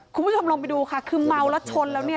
คุณผู้ชมลองไปดูค่ะคือเมาแล้วชนแล้วเนี่ย